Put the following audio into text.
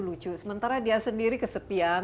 lucu sementara dia sendiri kesepian